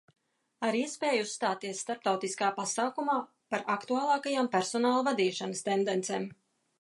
Ar iespēju uzstāties starptautiskā pasākumā par aktuālākajām personāla vadīšanas tendencēm.